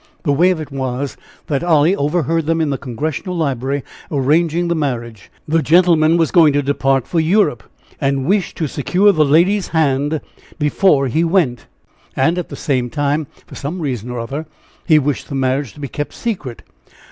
The way of it was, that Olly overheard them in the Congressional Library arranging the marriage the gentleman was going to depart for Europe, and wished to secure the lady's hand before he went and at the same time, for some reason or other, he wished the marriage to be kept secret.